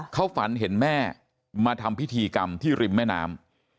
เขาฝันเห็นแม่มาทำพิธีกรรมที่ริมแม่น้ำ